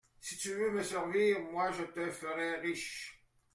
Si tu veux me servir, moi je te ferai riche.